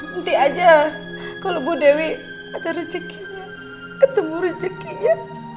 nanti aja kalau bu dewi ada rezekinya ketemu rezekinya